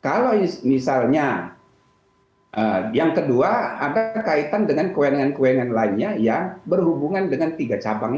kalau misalnya yang kedua ada kaitan dengan kewenangan kewenangan lainnya yang berhubungan dengan tiga cabang ini